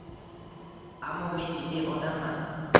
Ammo men jiddiy odamman.